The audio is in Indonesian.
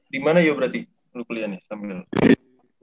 di mana ya berarti lo kuliah nih sambil